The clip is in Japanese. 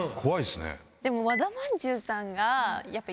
でも和田まんじゅうさんが。